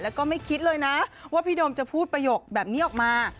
แล้วก็ไม่คิดเลยนะว่าพี่โดมจะพูดประโยคแบบนี้ออกมา